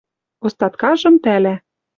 Остаткажым пӓлӓ